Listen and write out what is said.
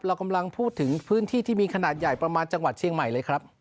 เรากำลังพูดถึงพื้นที่ที่มีขนาดใหญ่ประมาณจังหวัดเชียงใหม่เลยครับ